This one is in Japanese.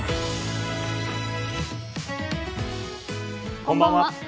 こんばんは。